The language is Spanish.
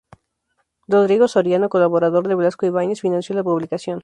Rodrigo Soriano, colaborador de Blasco Ibáñez, financió la publicación.